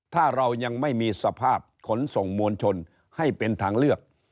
ถ้าเรายังไม่มีสภาพขนส่งมวลชนให้เป็นทางเลือก